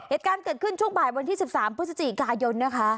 เหตุการณ์เกิดขึ้นช่วงบ่ายวันที่๑๓พฤศจิกายนนะคะ